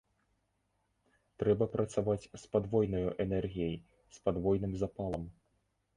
Трэба працаваць з падвойнаю энергіяй, з падвойным запалам.